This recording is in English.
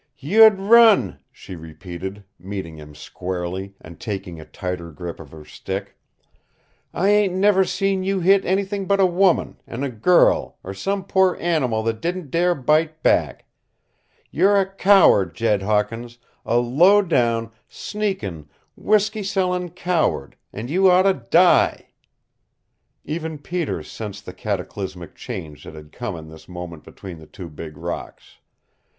"You'd run," she repeated, meeting him squarely, and taking a tighter grip of her stick. "I ain't ever seen you hit anything but a woman, an' a girl, or some poor animal that didn't dare bite back. You're a coward, Jed Hawkins, a low down, sneakin,' whiskey sellin' coward and you oughta die!" Even Peter sensed the cataclysmic change that had come in this moment between the two big rocks.